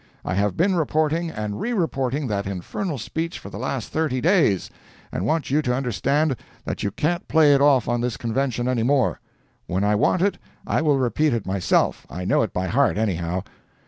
I have been reporting and re reporting that infernal speech for the last thirty days, and want you to understand that you can't play it off on this Convention any more. When I want it, I will repeat it myself—I know it by heart, anyhow.